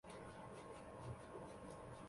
樊子鹄被加仪同三司。